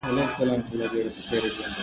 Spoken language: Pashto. زه به کالي وچولي وي